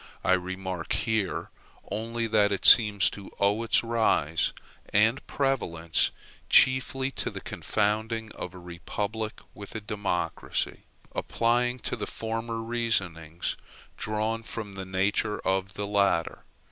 I remark here only that it seems to owe its rise and prevalence chiefly to the confounding of a republic with a democracy, applying to the former reasonings drawn from the nature of the latter.